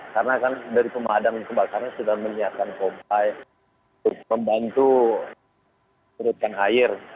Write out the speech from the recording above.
karena kan dari pemadam ke basarnas sudah menyiapkan kompai untuk membantu menurutkan air